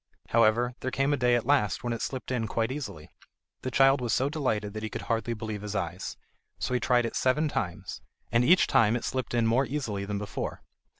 However, there came a day at last when it slipped in quite easily. The child was so delighted that he could hardly believe his eyes, so he tried it seven times, and each time it slipped in more easily than before.